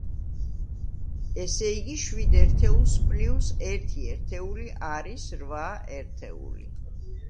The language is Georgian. ესე იგი, შვიდ ერთეულს პლიუს ერთი ერთეული არის რვა ერთეული.